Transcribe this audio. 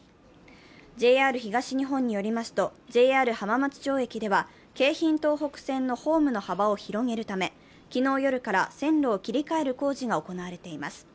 ＪＲ東日本によりますとＪＲ浜松町駅では京浜東北線のホームの幅を広げるため昨日夜から線路を切り替える工事が行われています。